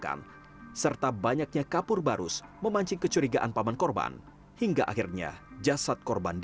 tanda tanya mengapa tersangka tega menghabisi nyawa korban